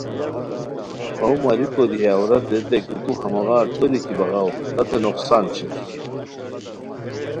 ہو ماریکو دی ہے عورت ریتائے کی تو ہموغار توری کی بغاؤ تتے نقصان شیر